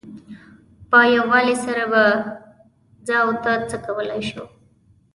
په یووالي سره زه او ته هر څه کولای شو.